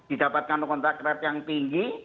didapatkan kontak rate yang tinggi